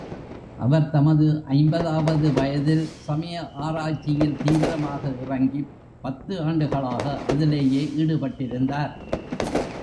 அவர் தமது ஐம்பதாவது வயதில் சமய ஆராய்ச்சியில் தீவிரமாக இறங்கிப் பத்து ஆண்டுகளாக அதிலேயே ஈடுபட்டிருந்தார்.